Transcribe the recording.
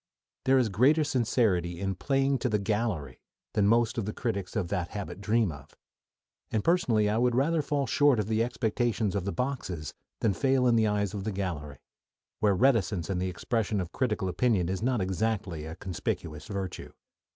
"] There is greater sincerity in "playing to the gallery" than most of the critics of that habit dream of, and personally I would rather fall short of the expectations of the boxes than fail in the eyes of the gallery, where reticence in the expression of critical opinion is not exactly a conspicuous virtue.